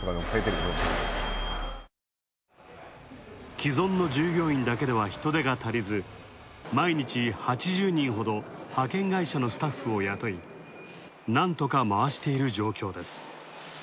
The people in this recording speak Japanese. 既存の従業員だけでは人手が足りず、毎日８０人ほど、派遣会社のスタッフを雇い、なんとか回している状況です。